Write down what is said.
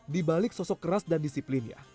di balik sosok keras dan disiplinnya